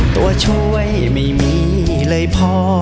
ตัวช่วยไม่มีเลยพ่อ